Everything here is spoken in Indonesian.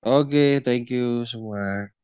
oke thank you semua